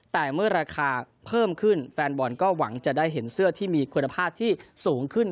แต่เมื่อราคาเพิ่มขึ้นแฟนบอลก็หวังจะได้เห็นเสื้อที่มีคุณภาพที่สูงขึ้น